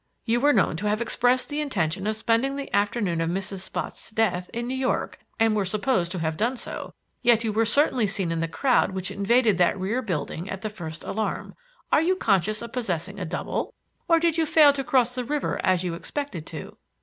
You were known to have expressed the intention of spending the afternoon of Mrs. Spotts' death in New York and were supposed to have done so, yet you were certainly seen in the crowd which invaded that rear building at the first alarm. Are you conscious of possessing a double, or did you fail to cross the river as you expected to?"